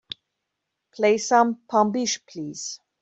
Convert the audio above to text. Play some pambiche please